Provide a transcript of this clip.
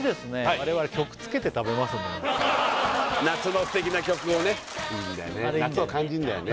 我々曲つけて食べますので夏のすてきな曲をねいいんだよね夏を感じるんだよね